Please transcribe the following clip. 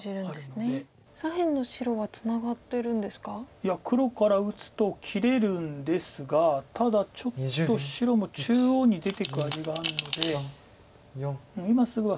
いや黒から打つと切れるんですがただちょっと白も中央に出ていく味があるので今すぐは。